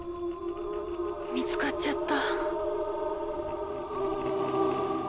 見つかっちゃった。